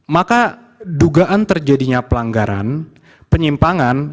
maka dugaan terjadinya pelanggaran penyimpangan